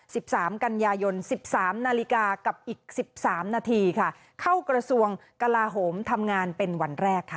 สิบสามกันยายนสิบสามนาฬิกากับอีกสิบสามนาทีค่ะเข้ากระทรวงกลาโหมทำงานเป็นวันแรกค่ะ